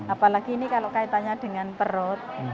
apalagi ini kalau kaitannya dengan perut